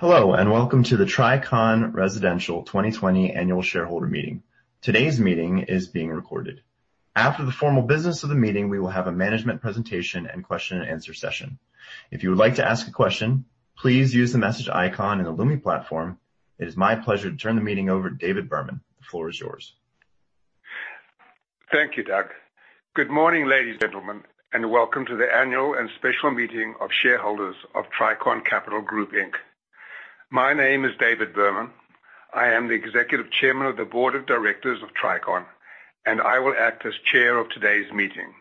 Hello, welcome to the Tricon Residential 2020 Annual Shareholder Meeting. Today's meeting is being recorded. After the formal business of the meeting, we will have a management presentation and question and answer session. If you would like to ask a question, please use the message icon in the Lumi platform. It is my pleasure to turn the meeting over to David Berman. The floor is yours. Thank you, Doug. Good morning, ladies and gentlemen, and welcome to the annual and special meeting of shareholders of Tricon Capital Group Inc. My name is David Berman. I am the Executive Chairman of the board of directors of Tricon, and I will act as chair of today's meeting,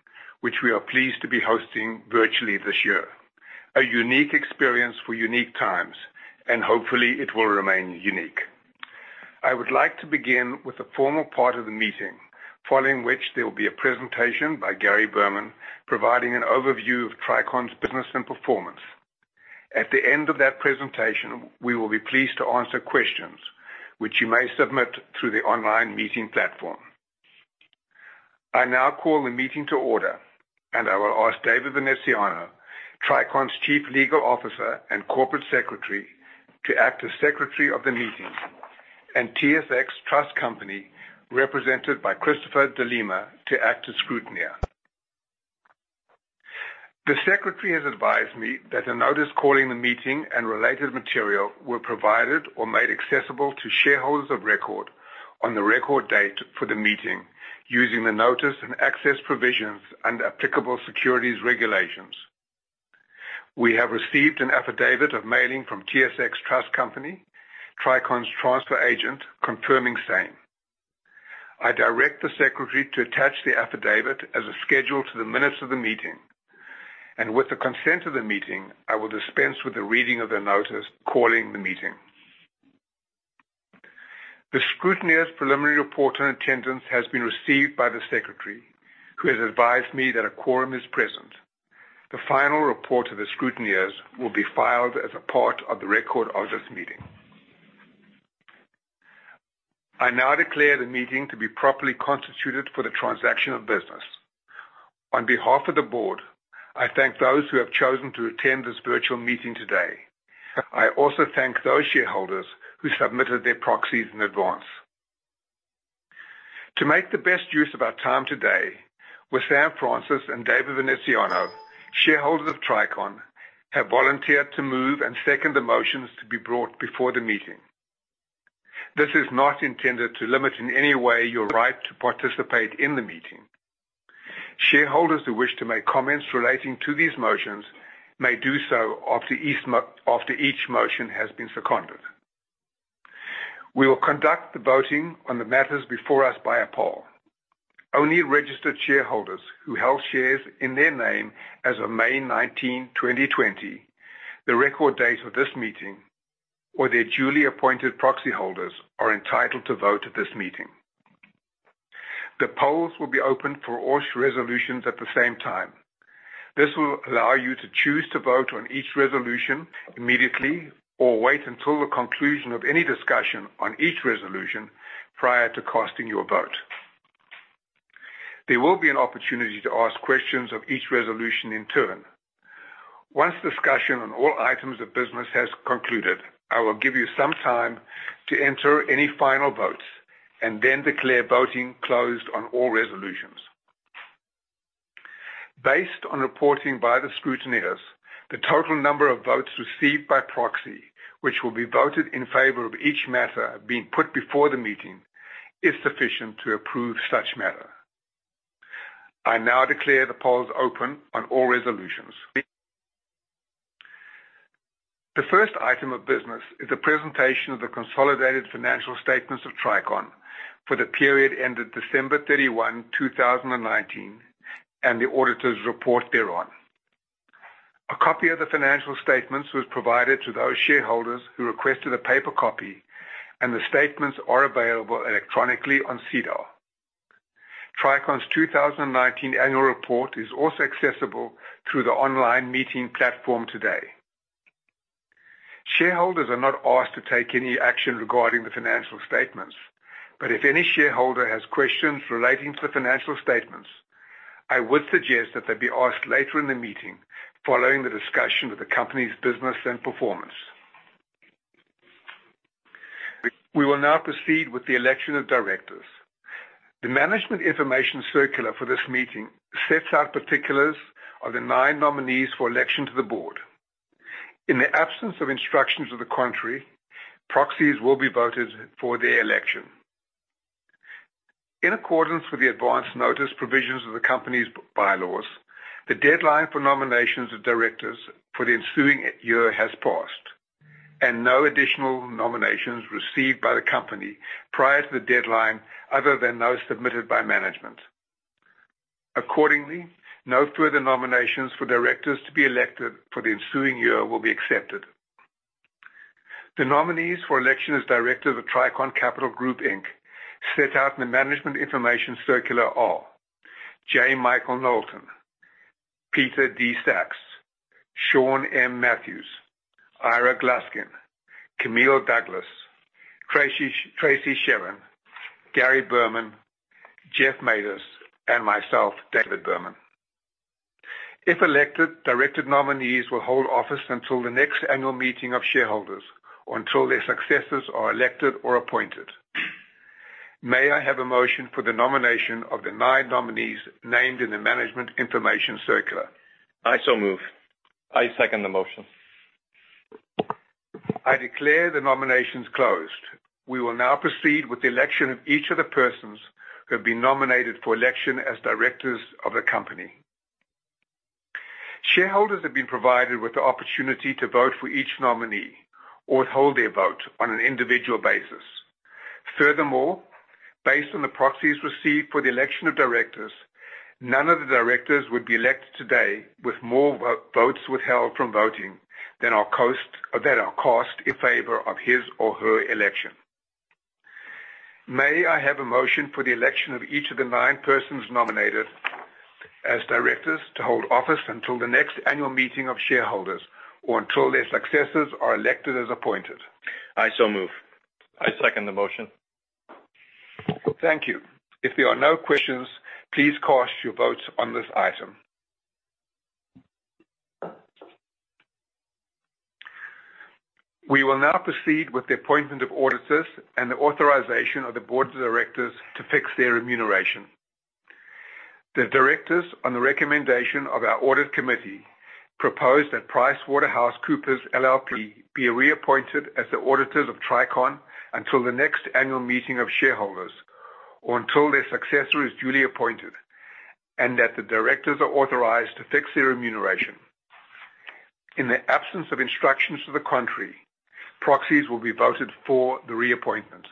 which we are pleased to be hosting virtually this year. A unique experience for unique times. Hopefully it will remain unique. I would like to begin with the formal part of the meeting, following which there will be a presentation by Gary Berman, providing an overview of Tricon's business and performance. At the end of that presentation, we will be pleased to answer questions, which you may submit through the online meeting platform. I now call the meeting to order. I will ask David Veneziano, Tricon's Chief Legal Officer and Corporate Secretary, to act as secretary of the meeting, and TSX Trust Company, represented by Christopher de Lima, to act as scrutineer. The secretary has advised me that a notice calling the meeting and related material were provided or made accessible to shareholders of record on the record date for the meeting using the notice and access provisions and applicable securities regulations. We have received an affidavit of mailing from TSX Trust Company, Tricon's transfer agent, confirming same. I direct the secretary to attach the affidavit as a schedule to the minutes of the meeting. With the consent of the meeting, I will dispense with the reading of the notice calling the meeting. The scrutineer's preliminary report on attendance has been received by the secretary, who has advised me that a quorum is present. The final report of the scrutineers will be filed as a part of the record of this meeting. I now declare the meeting to be properly constituted for the transaction of business. On behalf of the board, I thank those who have chosen to attend this virtual meeting today. I also thank those shareholders who submitted their proxies in advance. To make the best use of our time today, with Sam Francis and David Veneziano, shareholders of Tricon have volunteered to move and second the motions to be brought before the meeting. This is not intended to limit in any way your right to participate in the meeting. Shareholders who wish to make comments relating to these motions may do so after each motion has been seconded. We will conduct the voting on the matters before us by a poll. Only registered shareholders who held shares in their name as of May 19, 2020, the record date of this meeting, or their duly appointed proxy holders are entitled to vote at this meeting. The polls will be open for all resolutions at the same time. This will allow you to choose to vote on each resolution immediately or wait until the conclusion of any discussion on each resolution prior to casting your vote. There will be an opportunity to ask questions of each resolution in turn. Once discussion on all items of business has concluded, I will give you some time to enter any final votes and then declare voting closed on all resolutions. Based on reporting by the scrutineers, the total number of votes received by proxy, which will be voted in favor of each matter being put before the meeting, is sufficient to approve such matter. I now declare the polls open on all resolutions. The first item of business is a presentation of the consolidated financial statements of Tricon for the period ended December 31, 2019, and the auditor's report thereon. A copy of the financial statements was provided to those shareholders who requested a paper copy, and the statements are available electronically on SEDAR. Tricon's 2019 annual report is also accessible through the online meeting platform today. Shareholders are not asked to take any action regarding the financial statements, but if any shareholder has questions relating to the financial statements, I would suggest that they be asked later in the meeting following the discussion of the company's business and performance. We will now proceed with the election of directors. The management information circular for this meeting sets out particulars of the nine nominees for election to the board. In the absence of instructions to the contrary, proxies will be voted for their election. In accordance with the advance notice provisions of the company's bylaws, the deadline for nominations of directors for the ensuing year has passed, and no additional nominations received by the company prior to the deadline other than those submitted by management. Accordingly, no further nominations for directors to be elected for the ensuing year will be accepted. The nominees for election as directors of Tricon Capital Group Inc. set out in the management information circular are J. Michael Knowlton, Peter D. Sacks, Siân M. Matthews, Ira Gluskin, Camille Douglas, Tracy Sherren, Gary Berman, Geoff Matus, and myself, David Berman. If elected, director nominees will hold office until the next annual meeting of shareholders or until their successors are elected or appointed. May I have a motion for the nomination of the nine nominees named in the management information circular? I so move. I second the motion. I declare the nominations closed. We will now proceed with the election of each of the persons who have been nominated for election as directors of the company. Shareholders have been provided with the opportunity to vote for each nominee or withhold their vote on an individual basis. Furthermore, based on the proxies received for the election of directors, none of the directors would be elected today, with more votes withheld from voting than are cast in favor of his or her election. May I have a motion for the election of each of the nine persons nominated as directors to hold office until the next annual meeting of shareholders or until their successors are elected as appointed? I so move. I second the motion. Thank you. If there are no questions, please cast your votes on this item. We will now proceed with the appointment of auditors and the authorization of the board of directors to fix their remuneration. The directors, on the recommendation of our audit committee, propose that PricewaterhouseCoopers LLP be reappointed as the auditors of Tricon until the next annual meeting of shareholders or until their successor is duly appointed, and that the directors are authorized to fix their remuneration. In the absence of instructions to the contrary, proxies will be voted for the reappointment.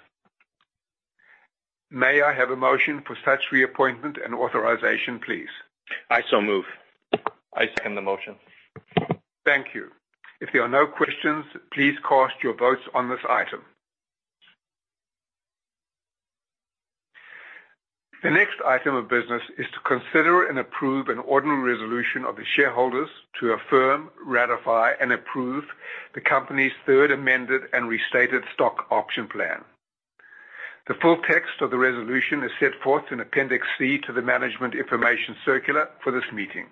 May I have a motion for such reappointment and authorization, please? I so move. I second the motion. Thank you. If there are no questions, please cast your votes on this item. The next item of business is to consider and approve an ordinary resolution of the shareholders to affirm, ratify, and approve the company's third amended and restated stock option plan. The full text of the resolution is set forth in Appendix C to the management information circular for this meeting.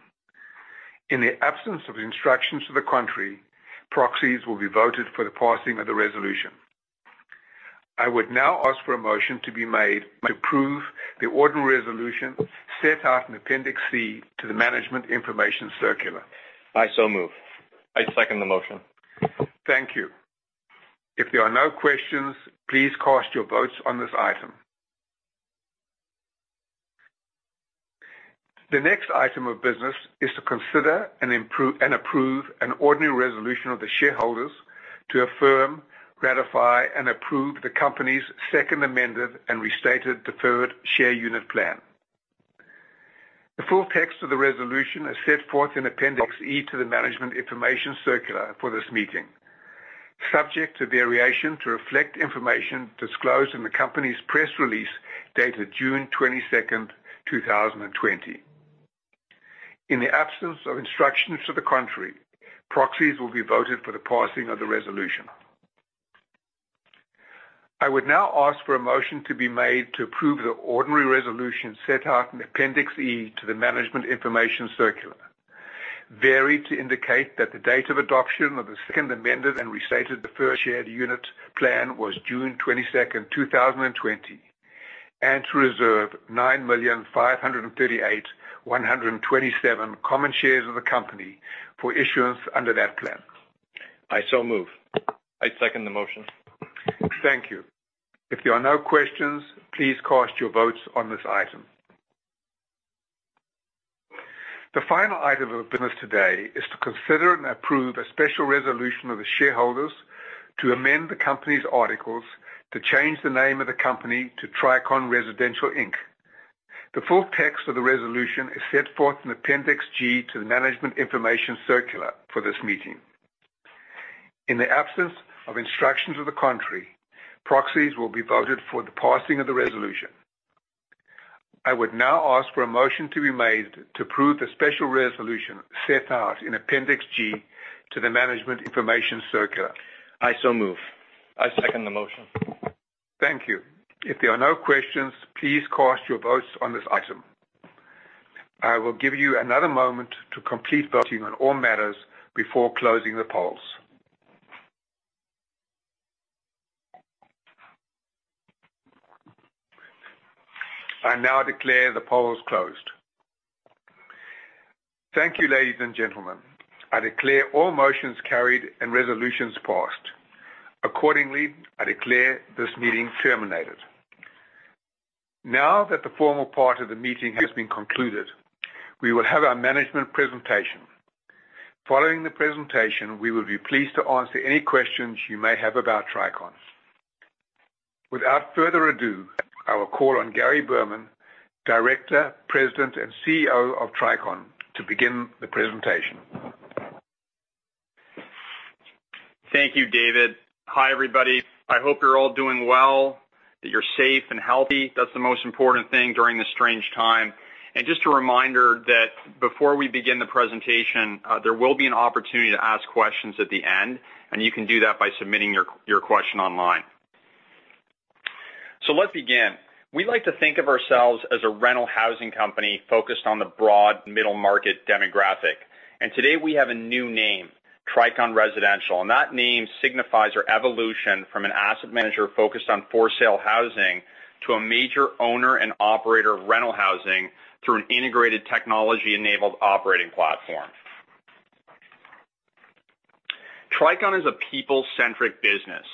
In the absence of instructions to the contrary, proxies will be voted for the passing of the resolution. I would now ask for a motion to be made to approve the ordinary resolution set out in Appendix C to the management information circular. I so move. I second the motion. Thank you. If there are no questions, please cast your votes on this item. The next item of business is to consider and approve an ordinary resolution of the shareholders to affirm, ratify, and approve the company's second amended and restated deferred share unit plan. The full text of the resolution is set forth in Appendix E to the management information circular for this meeting, subject to variation to reflect information disclosed in the company's press release dated June 22nd, 2020. In the absence of instructions to the contrary, proxies will be voted for the passing of the resolution. I would now ask for a motion to be made to approve the ordinary resolution set out in Appendix E to the management information circular, varied to indicate that the date of adoption of the second amended and restated deferred shared unit plan was June 22nd, 2020, and to reserve 9,538,127 common shares of the company for issuance under that plan. I so move. I second the motion. Thank you. If there are no questions, please cast your votes on this item. The final item of business today is to consider and approve a special resolution of the shareholders to amend the company's articles to change the name of the company to Tricon Residential Inc. The full text of the resolution is set forth in Appendix G to the management information circular for this meeting. In the absence of instructions to the contrary, proxies will be voted for the passing of the resolution. I would now ask for a motion to be made to approve the special resolution set out in Appendix G to the management information circular. I so move. I second the motion. Thank you. If there are no questions, please cast your votes on this item. I will give you another moment to complete voting on all matters before closing the polls. I now declare the polls closed. Thank you, ladies and gentlemen. I declare all motions carried and resolutions passed. Accordingly, I declare this meeting terminated. Now that the formal part of the meeting has been concluded, we will have our management presentation. Following the presentation, we will be pleased to answer any questions you may have about Tricon. Without further ado, I will call on Gary Berman, Director, President, and CEO of Tricon, to begin the presentation. Thank you, David. Hi, everybody. I hope you're all doing well, that you're safe and healthy. That's the most important thing during this strange time. Just a reminder that before we begin the presentation, there will be an opportunity to ask questions at the end, and you can do that by submitting your question online. Let's begin. We like to think of ourselves as a rental housing company focused on the broad middle-market demographic. Today we have a new name, Tricon Residential. That name signifies our evolution from an asset manager focused on for-sale housing, to a major owner and operator of rental housing through an integrated technology-enabled operating platform. Tricon is a people-centric business.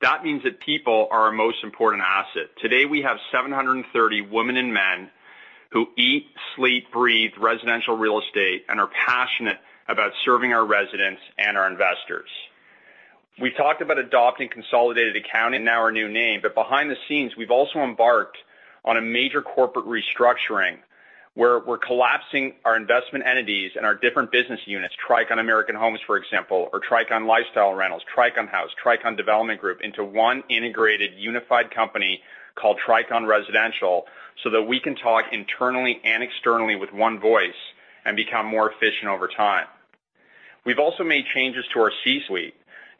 That means that people are our most important asset. Today, we have 730 women and men who eat, sleep, breathe residential real estate, and are passionate about serving our residents and our investors. We talked about adopting consolidated accounting, now our new name, but behind the scenes, we've also embarked on a major corporate restructuring where we're collapsing our investment entities and our different business units, Tricon American Homes, for example, or Tricon Lifestyle Rentals, Tricon House, Tricon Development Group, into one integrated, unified company called Tricon Residential, so that we can talk internally and externally with one voice and become more efficient over time. We've also made changes to our C-suite.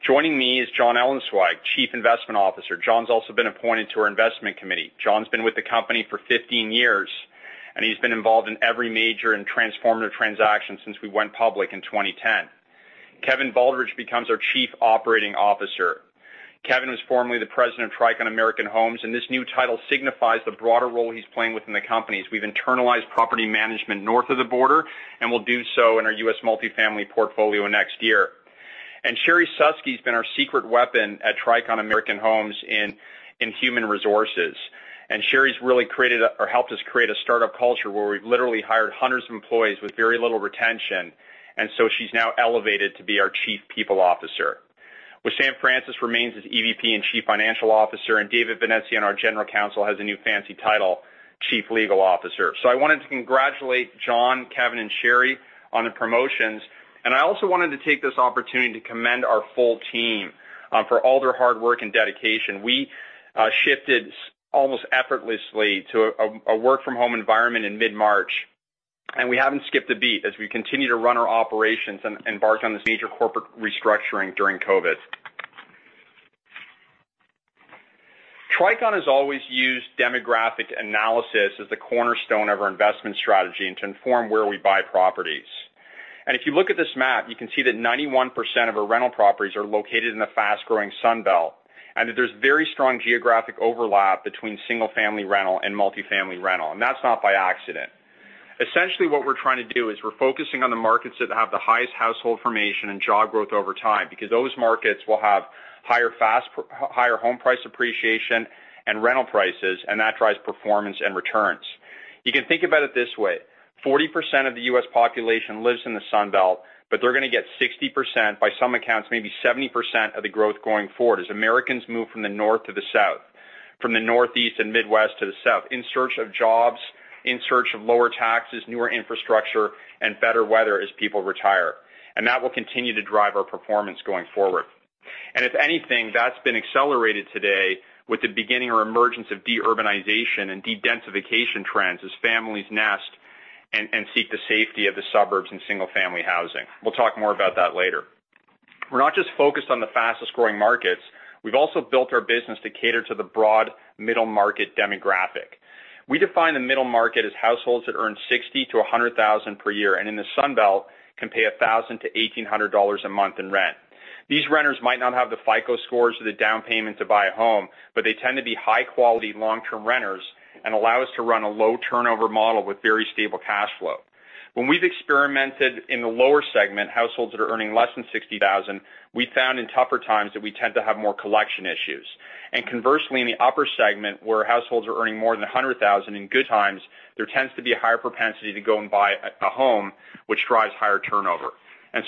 Joining me is Jon Ellenzweig, Chief Investment Officer. Jon's also been appointed to our investment committee. Jon's been with the company for 15 years, and he's been involved in every major and transformative transaction since we went public in 2010. Kevin Baldridge becomes our Chief Operating Officer. Kevin was formerly the President of Tricon American Homes, and this new title signifies the broader role he's playing within the company, as we've internalized property management north of the border, and we'll do so in our U.S. multifamily portfolio next year. Sherrie Suski has been our secret weapon at Tricon American Homes in human resources. Sherrie's really created or helped us create a startup culture where we've literally hired hundreds of employees with very little retention. She's now elevated to be our Chief People Officer. Wissam Francis remains as EVP and Chief Financial Officer, and David Veneziano on our general counsel has a new fancy title, Chief Legal Officer. I wanted to congratulate John, Kevin, and Sherrie on the promotions. I also wanted to take this opportunity to commend our full team for all their hard work and dedication. We shifted almost effortlessly to a work-from-home environment in mid-March, and we haven't skipped a beat as we continue to run our operations and embark on this major corporate restructuring during COVID. Tricon has always used demographic analysis as the cornerstone of our investment strategy and to inform where we buy properties. If you look at this map, you can see that 91% of our rental properties are located in the fast-growing Sun Belt, and that there's very strong geographic overlap between single-family rental and multifamily rental. That's not by accident. Essentially what we're trying to do is we're focusing on the markets that have the highest household formation and job growth over time, because those markets will have higher home price appreciation and rental prices, and that drives performance and returns. You can think about it this way: 40% of the U.S. population lives in the Sun Belt, but they're going to get 60%, by some accounts, maybe 70% of the growth going forward as Americans move from the North to the South, from the Northeast and Midwest to the South in search of jobs, in search of lower taxes, newer infrastructure, and better weather as people retire. That will continue to drive our performance going forward. If anything, that's been accelerated today with the beginning or emergence of de-urbanization and de-densification trends as families nest and seek the safety of the suburbs and single-family housing. We'll talk more about that later. We're not just focused on the fastest-growing markets. We've also built our business to cater to the broad middle-market demographic. We define the middle market as households that earn 60,000-100,000 per year, and in the Sun Belt, can pay $1,000-$1,800 a month in rent. These renters might not have the FICO scores or the down payment to buy a home, they tend to be high-quality long-term renters and allow us to run a low turnover model with very stable cash flow. When we've experimented in the lower segment, households that are earning less than 60,000, we found in tougher times that we tend to have more collection issues. Conversely, in the upper segment, where households are earning more than 100,000 in good times, there tends to be a higher propensity to go and buy a home which drives higher turnover.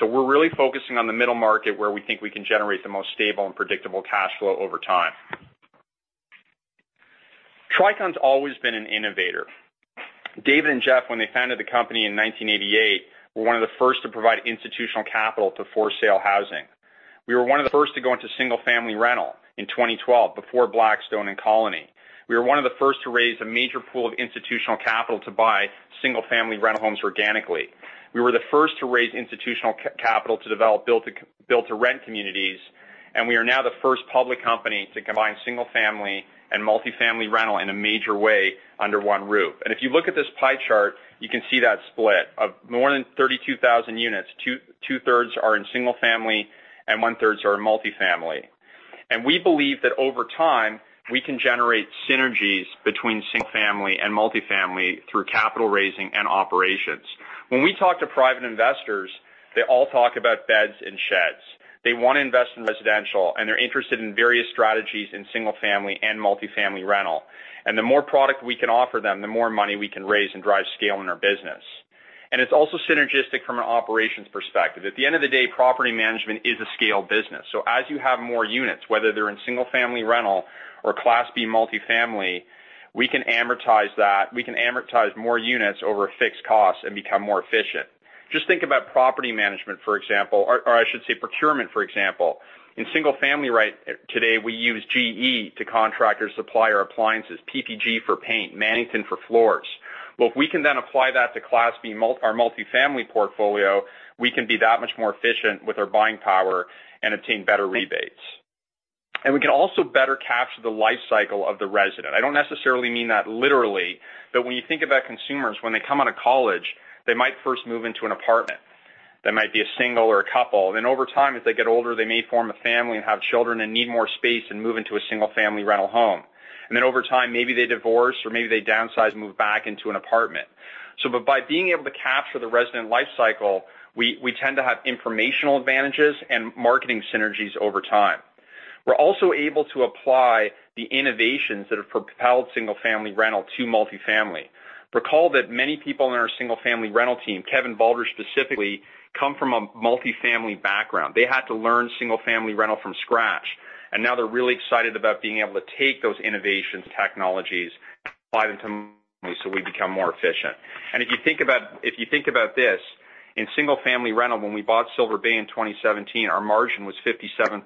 We're really focusing on the middle market where we think we can generate the most stable and predictable cash flow over time. Tricon's always been an innovator. David and Geoff, when they founded the company in 1988, were one of the first to provide institutional capital to for-sale housing. We were one of the first to go into single-family rental in 2012 before Blackstone and Colony. We were one of the first to raise a major pool of institutional capital to buy single-family rental homes organically. We were the first to raise institutional capital to develop build-to-rent communities, and we are now the first public company to combine single family and multifamily rental in a major way under one roof. If you look at this pie chart, you can see that split of more than 32,000 units, two-thirds are in single family and one-thirds are in multifamily. And we believe that over time, we can generate synergies between single family and multifamily through capital raising and operations. When we talk to private investors, they all talk about beds and sheds. They want to invest in residential, they're interested in various strategies in single-family and multifamily rental. The more product we can offer them, the more money we can raise and drive scale in our business. It's also synergistic from an operations perspective. At the end of the day, property management is a scale business. As you have more units, whether they're in single-family rental or Class B multifamily, we can amortize more units over a fixed cost and become more efficient. Just think about property management, for example, or I should say procurement, for example. In single family today, we use GE to contract or supply our appliances, PPG for paint, Mannington for floors. If we can then apply that to Class B, our multifamily portfolio, we can be that much more efficient with our buying power and obtain better rebates. We can also better capture the life cycle of the resident. I don't necessarily mean that literally, but when you think about consumers, when they come out of college, they might first move into an apartment. They might be a single or a couple. Over time, as they get older, they may form a family and have children and need more space and move into a single-family rental home. Over time, maybe they divorce, or maybe they downsize and move back into an apartment. By being able to capture the resident life cycle, we tend to have informational advantages and marketing synergies over time. We're also able to apply the innovations that have propelled single-family rental to multifamily. Recall that many people on our single-family rental team, Kevin Baldridge specifically, come from a multifamily background. They had to learn single-family rental from scratch, and now they're really excited about being able to take those innovations, technologies, apply them to multifamily so we become more efficient. If you think about this, in single-family rental, when we bought Silver Bay in 2017, our margin was 57%.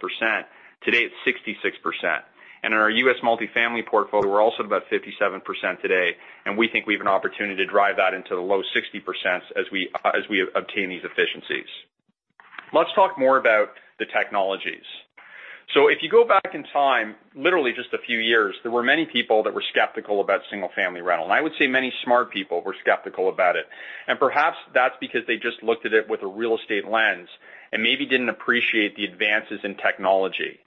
Today, it's 66%. In our U.S. multifamily portfolio, we're also at about 57% today, and we think we have an opportunity to drive that into the low 60 percents as we obtain these efficiencies. Let's talk more about the technologies. If you go back in time, literally just a few years, there were many people that were skeptical about single-family rental. I would say many smart people were skeptical about it. Perhaps that's because they just looked at it with a real estate lens and maybe didn't appreciate the advances in technology.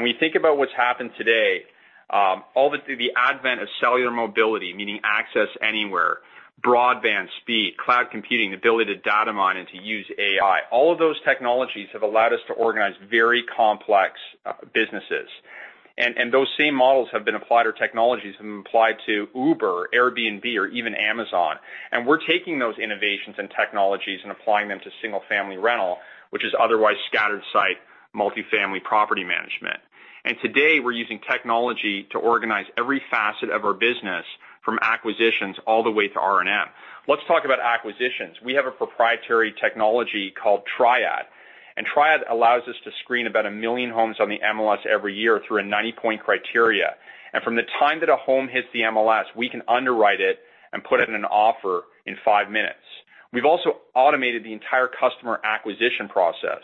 When you think about what's happened today, all the way through the advent of cellular mobility, meaning access anywhere, broadband speed, cloud computing, the ability to data mine and to use AI, all of those technologies have allowed us to organize very complex businesses. Those same models have been applied, or technologies have been applied to Uber, Airbnb, or even Amazon. We're taking those innovations and technologies and applying them to single-family rental, which is otherwise scattered-site multifamily property management. Today, we're using technology to organize every facet of our business, from acquisitions all the way to R&M. Let's talk about acquisitions. We have a proprietary technology called TriAD, and TriAD allows us to screen about 1 million homes on the MLS every year through a 90-point criteria. From the time that a home hits the MLS, we can underwrite it and put in an offer in five minutes. We've also automated the entire customer acquisition process.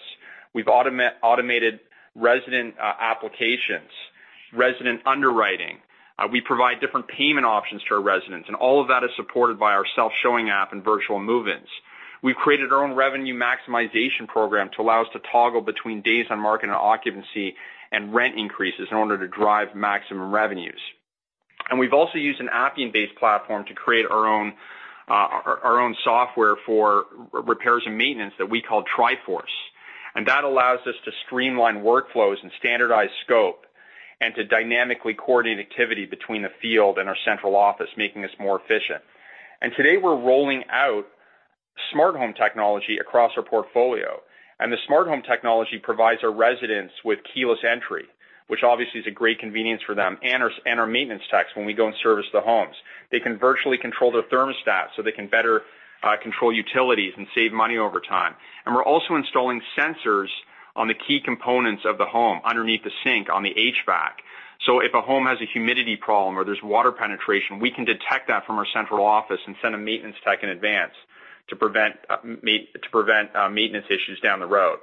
We've automated resident applications, resident underwriting. We provide different payment options to our residents, and all of that is supported by our self-showing app and virtual move-ins. We've created our own revenue maximization program to allow us to toggle between days on market and occupancy and rent increases in order to drive maximum revenues. We've also used an Appian-based platform to create our own software for repairs and maintenance that we call TriForce. That allows us to streamline workflows and standardize scope, and to dynamically coordinate activity between the field and our central office, making us more efficient. Today, we're rolling out smart home technology across our portfolio. The smart home technology provides our residents with keyless entry, which obviously is a great convenience for them and our maintenance techs when we go and service the homes. They can virtually control their thermostat so they can better control utilities and save money over time. We're also installing sensors on the key components of the home, underneath the sink, on the HVAC. If a home has a humidity problem or there's water penetration, we can detect that from our central office and send a maintenance tech in advance to prevent maintenance issues down the road.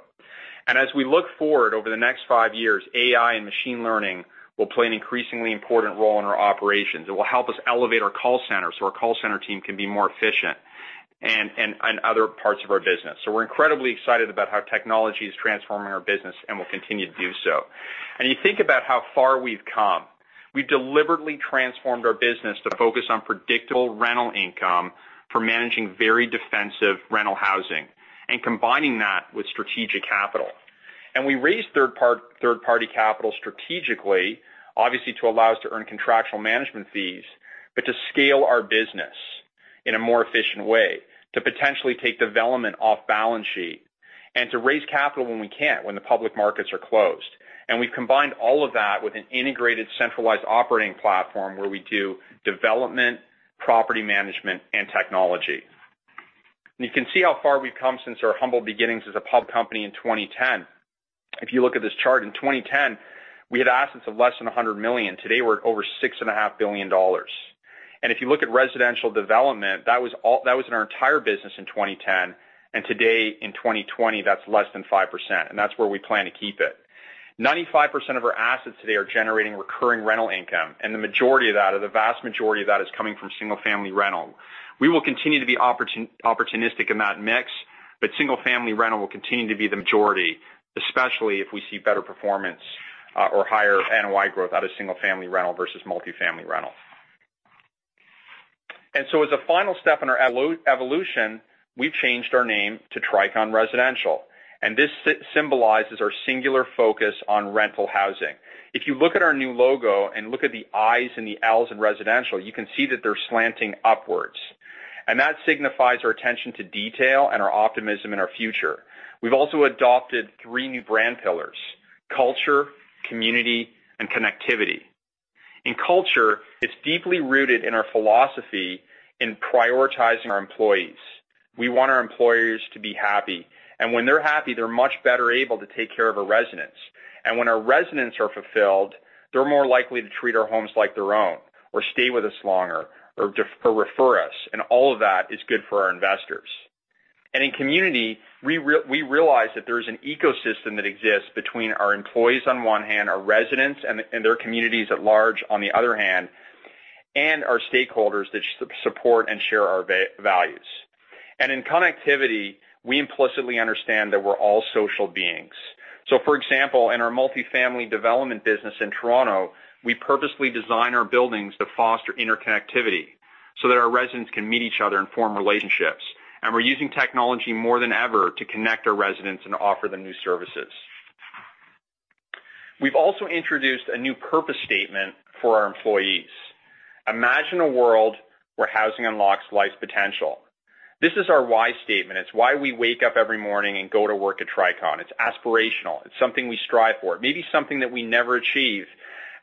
As we look forward over the next five years, AI and machine learning will play an increasingly important role in our operations. It will help us elevate our call center so our call center team can be more efficient, and other parts of our business. We're incredibly excited about how technology is transforming our business and will continue to do so. You think about how far we've come. We deliberately transformed our business to focus on predictable rental income for managing very defensive rental housing and combining that with strategic capital. We raised third-party capital strategically, obviously to allow us to earn contractual management fees, but to scale our business in a more efficient way, to potentially take development off balance sheet, and to raise capital when we can't, when the public markets are closed. We've combined all of that with an integrated, centralized operating platform where we do development, property management, and technology. You can see how far we've come since our humble beginnings as a public company in 2010. If you look at this chart, in 2010, we had assets of less than 100 million. Today, we're at over 6.5 billion dollars. If you look at residential development, that was in our entire business in 2010. Today, in 2020, that's less than 5%, and that's where we plan to keep it. 95% of our assets today are generating recurring rental income, and the majority of that, or the vast majority of that, is coming from single-family rental. We will continue to be opportunistic in that mix, but single-family rental will continue to be the majority, especially if we see better performance or higher NOI growth out of single-family rental versus multifamily rental. As a final step in our evolution, we've changed our name to Tricon Residential, and this symbolizes our singular focus on rental housing. If you look at our new logo and look at the Is and the Ls in residential, you can see that they're slanting upwards. That signifies our attention to detail and our optimism in our future. We've also adopted three new brand pillars: culture, community, and connectivity. In culture, it's deeply rooted in our philosophy in prioritizing our employees. We want our employees to be happy. When they're happy, they're much better able to take care of our residents. When our residents are fulfilled, they're more likely to treat our homes like their own or stay with us longer or refer us. All of that is good for our investors. In community, we realize that there is an ecosystem that exists between our employees on one hand, our residents and their communities at large on the other hand, and our stakeholders that support and share our values. In connectivity, we implicitly understand that we're all social beings. For example, in our multifamily development business in Toronto, we purposely design our buildings to foster interconnectivity so that our residents can meet each other and form relationships. We're using technology more than ever to connect our residents and offer them new services. We've also introduced a new purpose statement for our employees. Imagine a world where housing unlocks life's potential. This is our why statement. It's why we wake up every morning and go to work at Tricon. It's aspirational. It's something we strive for. It may be something that we never achieve,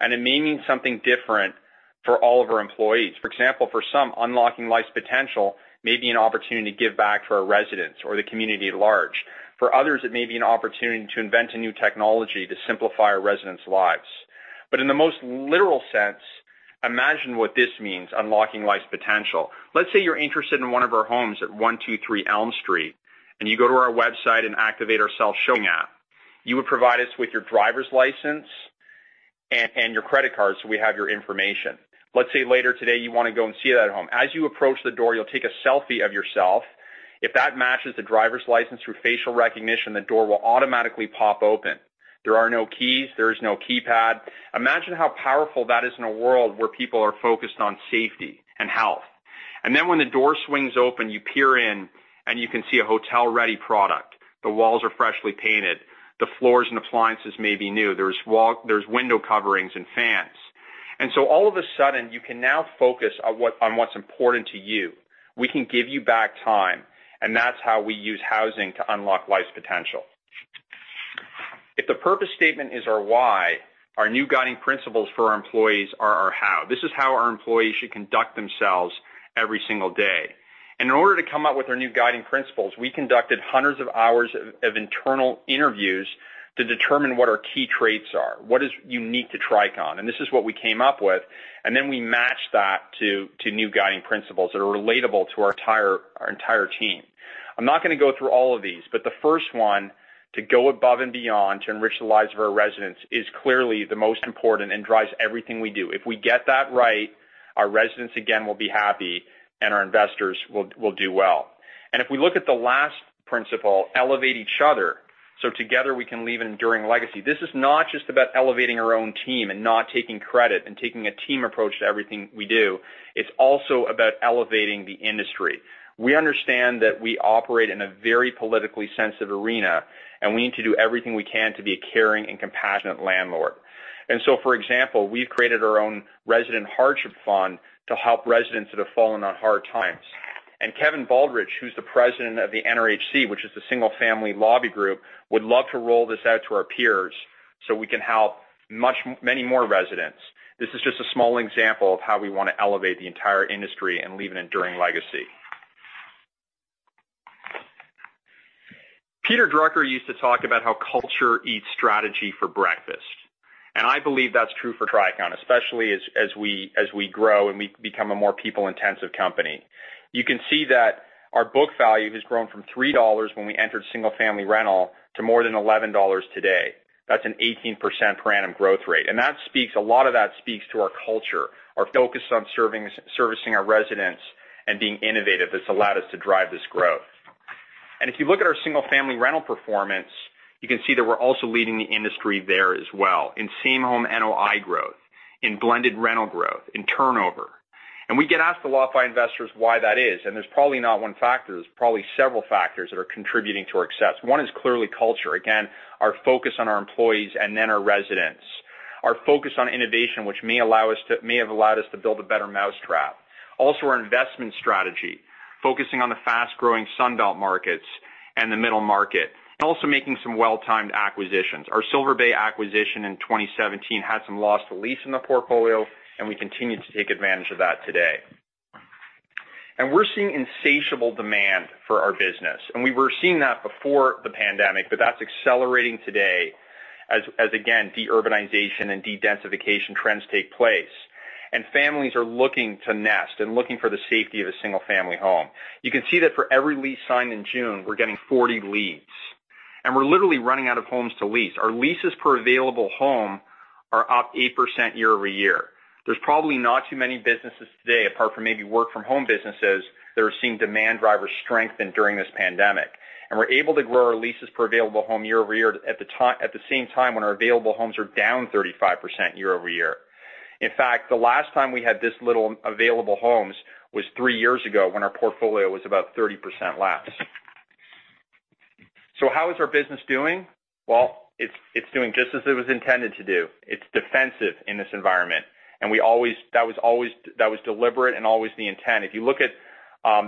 and it may mean something different for all of our employees. For example, for some, unlocking life's potential may be an opportunity to give back for our residents or the community at large. For others, it may be an opportunity to invent a new technology to simplify our residents' lives. In the most literal sense, imagine what this means, unlocking life's potential. Let's say you're interested in one of our homes at 123 Elm Street, and you go to our website and activate our self-showing app. You would provide us with your driver's license and your credit card so we have your information. Let's say later today you want to go and see that home. As you approach the door, you'll take a selfie of yourself. If that matches the driver's license through facial recognition, the door will automatically pop open. There are no keys. There is no keypad. Imagine how powerful that is in a world where people are focused on safety and health. When the door swings open, you peer in, and you can see a hotel-ready product. The walls are freshly painted. The floors and appliances may be new. There's window coverings and fans. All of a sudden, you can now focus on what's important to you. We can give you back time, and that's how we use housing to unlock life's potential. If the purpose statement is our why, our new guiding principles for our employees are our how. This is how our employees should conduct themselves every single day. In order to come up with our new guiding principles, we conducted hundreds of hours of internal interviews to determine what our key traits are, what is unique to Tricon. This is what we came up with, we matched that to new guiding principles that are relatable to our entire team. I'm not going to go through all of these, the first one, to go above and beyond to enrich the lives of our residents, is clearly the most important and drives everything we do. If we get that right, our residents, again, will be happy, and our investors will do well. If we look at the last principle, elevate each other so together we can leave an enduring legacy. This is not just about elevating our own team and not taking credit and taking a team approach to everything we do. It's also about elevating the industry. We understand that we operate in a very politically sensitive arena, and we need to do everything we can to be a caring and compassionate landlord. For example, we've created our own resident hardship fund to help residents that have fallen on hard times. Kevin Baldridge, who's the president of the NRHC, which is the single-family lobby group, would love to roll this out to our peers so we can help many more residents. This is just a small example of how we want to elevate the entire industry and leave an enduring legacy. Peter Drucker used to talk about how culture eats strategy for breakfast, I believe that's true for Tricon, especially as we grow and we become a more people-intensive company. You can see that our book value has grown from $3 when we entered single-family rental to more than $11 today. That's an 18% per annum growth rate. A lot of that speaks to our culture, our focus on servicing our residents and being innovative that's allowed us to drive this growth. If you look at our single-family rental performance, you can see that we're also leading the industry there as well. In same home NOI growth, in blended rental growth, in turnover. We get asked a lot by investors why that is, there's probably not one factor. There's probably several factors that are contributing to our success. One is clearly culture, again, our focus on our employees and then our residents. Our focus on innovation, which may have allowed us to build a better mousetrap. Our investment strategy, focusing on the fast-growing Sun Belt markets and the middle market, also making some well-timed acquisitions. Our Silver Bay acquisition in 2017 had some lost lease in the portfolio, and we continue to take advantage of that today. We're seeing insatiable demand for our business. We were seeing that before the pandemic, but that's accelerating today as, again, deurbanization and dedensification trends take place, and families are looking to nest and looking for the safety of a single-family home. You can see that for every lease signed in June, we're getting 40 leads, and we're literally running out of homes to lease. Our leases per available home are up 8% year-over-year. There's probably not too many businesses today, apart from maybe work-from-home businesses, that are seeing demand drivers strengthen during this pandemic. We're able to grow our leases per available home year-over-year at the same time when our available homes are down 35% year-over-year. In fact, the last time we had this little available homes was three years ago when our portfolio was about 30% less. How is our business doing? Well, it's doing just as it was intended to do. It's defensive in this environment, and that was deliberate and always the intent. If you look at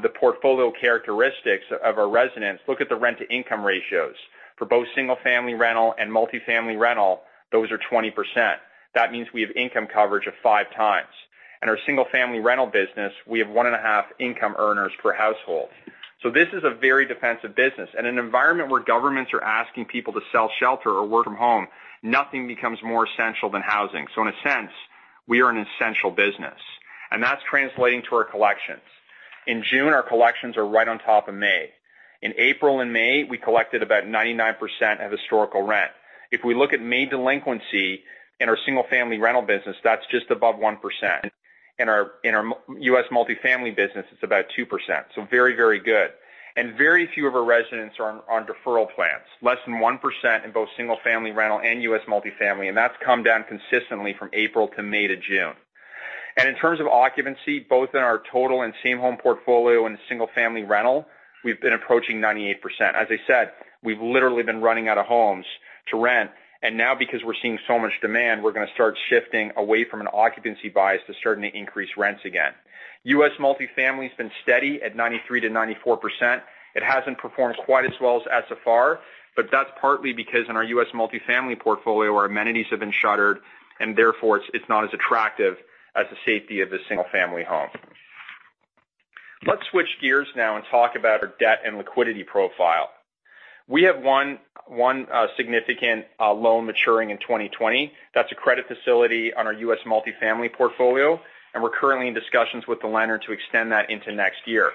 the portfolio characteristics of our residents, look at the rent-to-income ratios. For both single-family rental and multifamily rental, those are 20%. That means we have income coverage of five times. Our single-family rental business, we have one and a half income earners per household. This is a very defensive business. In an environment where governments are asking people to sell shelter or work from home, nothing becomes more essential than housing. In a sense, we are an essential business, and that's translating to our collections. In June, our collections are right on top of May. In April and May, we collected about 99% of historical rent. If we look at May delinquency in our single-family rental business, that's just above 1%. In our U.S. multifamily business, it's about 2%. Very, very good. Very few of our residents are on deferral plans, less than 1% in both single-family rental and U.S. multifamily, and that's come down consistently from April to May to June. In terms of occupancy, both in our total and same home portfolio in single-family rental, we've been approaching 98%. As I said, we've literally been running out of homes to rent. Now because we're seeing so much demand, we're going to start shifting away from an occupancy bias to starting to increase rents again. U.S. multifamily has been steady at 93%-94%. It hasn't performed quite as well as SFR, but that's partly because in our U.S. multifamily portfolio, our amenities have been shuttered, and therefore, it's not as attractive as the safety of a single-family home. Let's switch gears now and talk about our debt and liquidity profile. We have one significant loan maturing in 2020. That's a credit facility on our U.S. multifamily portfolio. We're currently in discussions with the lender to extend that into next year.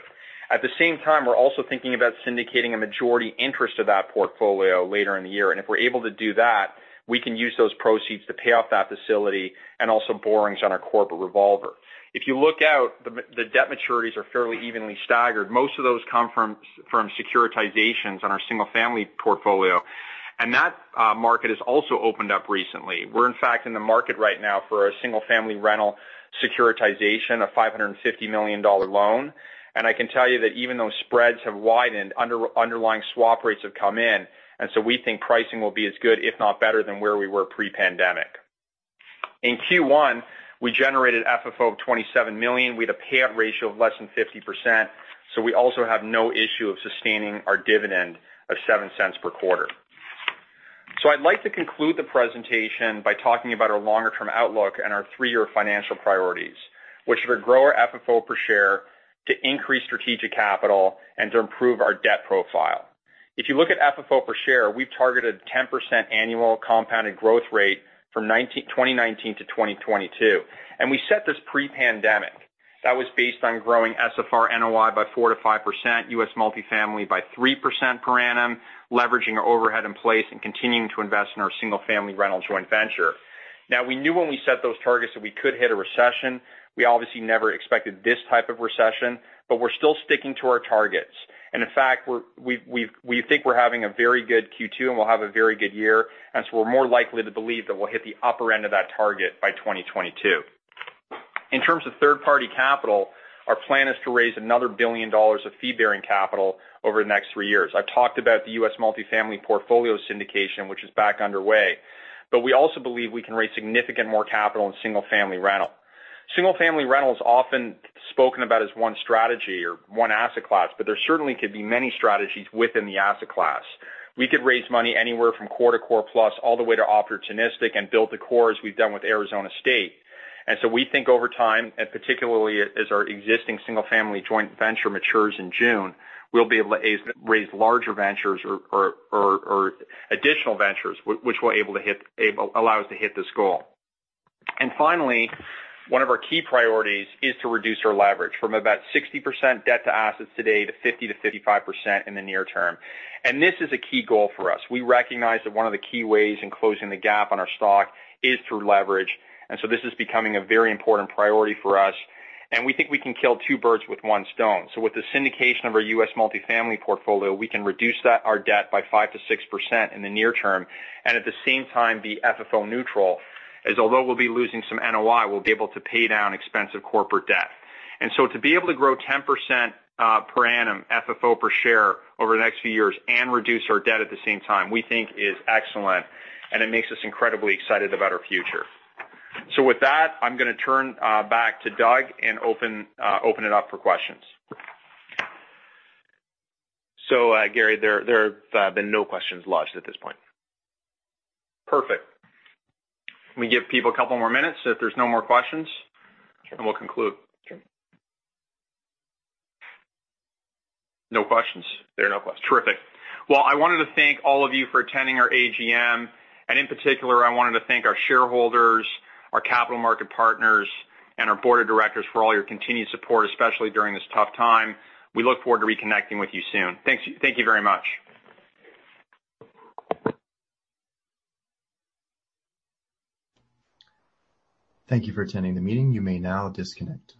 At the same time, we're also thinking about syndicating a majority interest of that portfolio later in the year. If we're able to do that, we can use those proceeds to pay off that facility and also borrowings on our corporate revolver. If you look out, the debt maturities are fairly evenly staggered. Most of those come from securitizations on our single-family portfolio. That market has also opened up recently. We're in fact in the market right now for a single-family rental securitization of $550 million loan. I can tell you that even though spreads have widened, underlying swap rates have come in. We think pricing will be as good, if not better, than where we were pre-pandemic. In Q1, we generated FFO of $27 million. We had a payout ratio of less than 50%. We also have no issue of sustaining our dividend of $0.07 per quarter. I'd like to conclude the presentation by talking about our longer-term outlook and our three-year financial priorities, which are to grow our FFO per share, to increase strategic capital, and to improve our debt profile. If you look at FFO per share, we've targeted 10% annual compounded growth rate from 2019 to 2022. We set this pre-pandemic. That was based on growing SFR NOI by 4%-5%, U.S. multifamily by 3% per annum, leveraging our overhead in place, and continuing to invest in our single-family rental joint venture. Now, we knew when we set those targets that we could hit a recession. We obviously never expected this type of recession, but we're still sticking to our targets. In fact, we think we're having a very good Q2, and we'll have a very good year, and so we're more likely to believe that we'll hit the upper end of that target by 2022. In terms of third-party capital, our plan is to raise another $1 billion of fee-bearing capital over the next three years. I've talked about the U.S. multifamily portfolio syndication, which is back underway, but we also believe we can raise significant more capital in single-family rental. Single-family rental is often spoken about as one strategy or one asset class, but there certainly could be many strategies within the asset class. We could raise money anywhere from core to core plus, all the way to opportunistic and build to core as we've done with Arizona State. We think over time, and particularly as our existing single-family joint venture matures in June, we'll be able to raise larger ventures or additional ventures, which will allow us to hit this goal. Finally, one of our key priorities is to reduce our leverage from about 60% debt to assets today to 50%-55% in the near term. This is a key goal for us. We recognize that one of the key ways in closing the gap on our stock is through leverage, this is becoming a very important priority for us, and we think we can kill two birds with one stone. With the syndication of our U.S. multifamily portfolio, we can reduce our debt by 5%-6% in the near term, and at the same time, be FFO neutral as although we'll be losing some NOI, we'll be able to pay down expensive corporate debt. To be able to grow 10% per annum FFO per share over the next few years and reduce our debt at the same time, we think is excellent, and it makes us incredibly excited about our future. With that, I'm going to turn back to Doug and open it up for questions. Gary, there have been no questions lodged at this point. Perfect. Let me give people a couple more minutes, so if there's no more questions. Sure We'll conclude. Sure. No questions. There are no questions. Terrific. Well, I wanted to thank all of you for attending our AGM, and in particular, I wanted to thank our shareholders, our capital market partners, and our board of directors for all your continued support, especially during this tough time. We look forward to reconnecting with you soon. Thank you very much. Thank you for attending the meeting. You may now disconnect.